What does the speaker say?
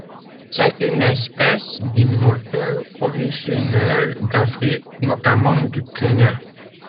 C'est une espèce d'immortelle originaire d'Afrique, notamment du Kenya.